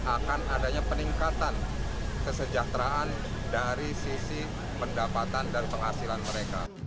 akan adanya peningkatan kesejahteraan dari sisi pendapatan dan penghasilan mereka